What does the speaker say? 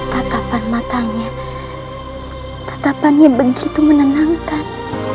tetapan matanya tetapannya begitu menenangkan